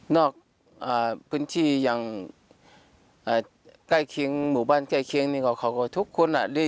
นอกอ่าพื้นที่อย่างอ่าใกล้เคียงหมู่บ้านใกล้เคียงนี่ก็เขาก็ทุกคนอ่ะ